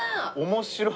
面白い。